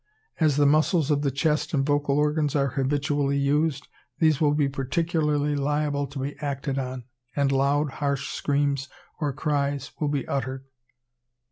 As the muscles of the chest and vocal organs are habitually used, these will be particularly liable to be acted on, and loud, harsh screams or cries will be uttered.